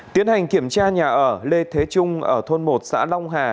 tiến hành kiểm tra nhà ở lê thế trung ở thôn một xã long hà